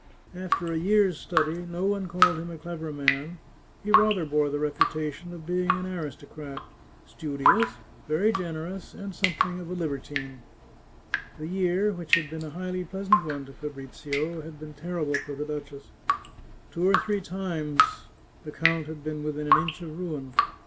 After a year's study, no one called him a clever man ; he rather bore the reputation of being an aristocrat, studi ous, very generous, and something of a libertine. The year, which had been a fairly pleasant one to Fa brizio, had been terrible for the duchess. Two or three times over the count had been within an inch of ruin.